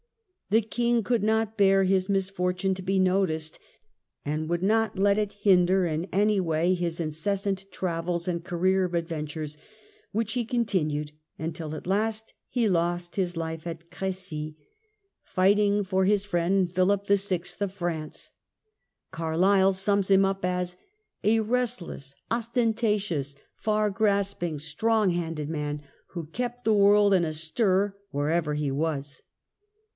The King could not bear his misfortune to be noticed, and would not let it in any way hinder his incessant travels and career of adventure, which he continued, until at last he lost his life at Cre9y, fight 80 THE END OF THE MIDDLE AGE ing for his friend Philip VI. of France. Carlyle sums him up as : "a restless, ostentatious, far grasping, strong handed man, who kept the world in a stir wherever he was